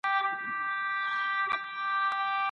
صحيحه نکاح په څه سي سره ختميږي؟